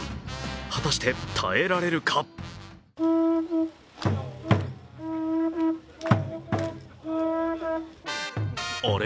果たして、耐えられるかあれ？